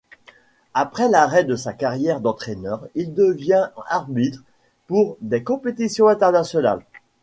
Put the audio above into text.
Après l'arrêt de sa carrière d'entraîneur, il devient arbitre pour des compétitions internationales.